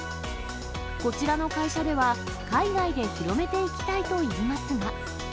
こちらの会社では、海外で広めていきたいといいますが。